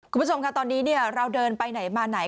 คุณผู้ชมค่ะตอนนี้เราเดินไปไหนมาไหน